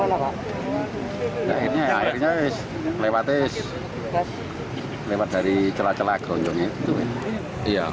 akhirnya airnya lepat dari celah celah geronjongnya